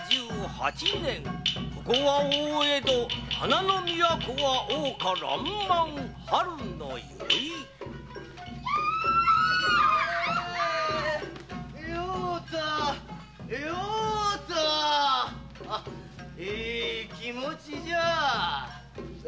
ここは大江戸花の都は桜花爛漫春の宵」「酔うた酔うたいい気持ちじゃ」